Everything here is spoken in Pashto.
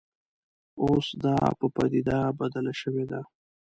اوس دا په پدیده بدله شوې ده